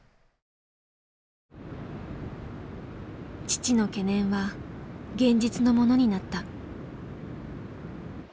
父の懸念は現実のものになった。